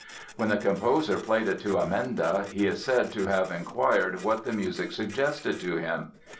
When the composer played it to Amenda he is said to have inquired what the music suggested to him.